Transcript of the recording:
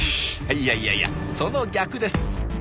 いやいやいやその逆です。